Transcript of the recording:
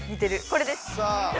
これです。